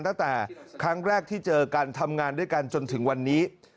ตั้งแต่ครั้งแรกที่เจอกันทำงานด้วยกันจนถึงวันนี้